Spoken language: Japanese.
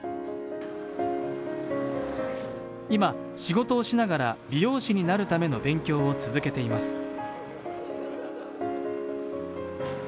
今、仕事をしながら美容師になるための勉強を続けています。